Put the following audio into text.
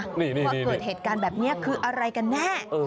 ว่าเกิดเหตุการณ์แบบนี้คืออะไรกันแน่